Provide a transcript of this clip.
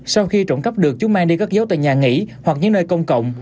sau khi trộn cắp được chúng mang đi các dấu tại nhà nghỉ hoặc những nơi công cộng